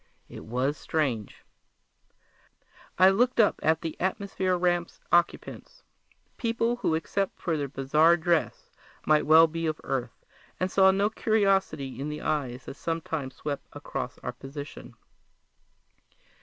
It was strange. I looked up at the observation ramp's occupants people who except for their bizarre dress might well be of Earth and saw no curiosity in the eyes that sometimes swept across our position.